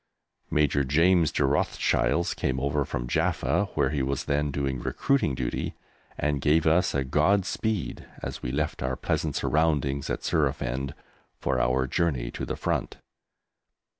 Major James de Rothschild came over from Jaffa, where he was then doing recruiting duty, and gave us a God speed as we left our pleasant surroundings at Surafend for our journey to the Front.